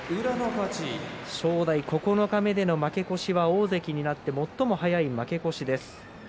正代、九日目での負け越しは大関になって最も早い負け越しです。